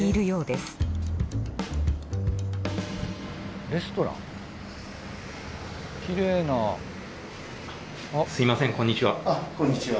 すみませんこんにちは。